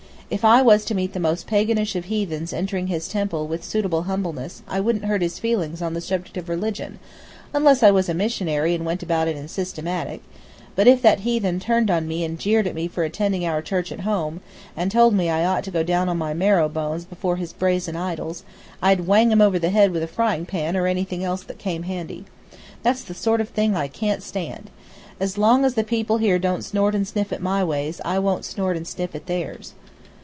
If I was to meet the most paganish of heathens entering his temple with suitable humbleness I wouldn't hurt his feelings on the subject of his religion, unless I was a missionary and went about it systematic; but if that heathen turned on me and jeered at me for attending our church at home, and told me I ought to go down on my marrow bones before his brazen idols, I'd whang him over the head with a frying pan or anything else that came handy. That's the sort of thing I can't stand. As long as the people here don't snort and sniff at my ways I won't snort and sniff at theirs."